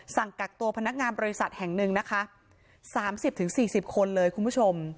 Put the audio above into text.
กักตัวพนักงานบริษัทแห่งหนึ่งนะคะ๓๐๔๐คนเลยคุณผู้ชม